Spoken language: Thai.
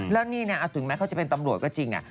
แล้วนี่เนี่ยถึงว่าเขาจะเป็นตำรวจจริงใจ